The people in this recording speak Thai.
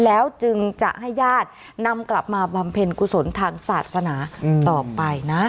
แล้วจึงจะให้ญาตินำกลับมาบำเพ็ญกุศลทางศาสนาต่อไปนะ